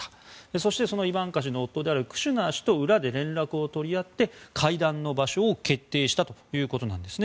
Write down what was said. そして、そのイバンカ氏の夫であるクシュナー氏と裏で連絡を取り合って会談の場所を決定したということなんですね。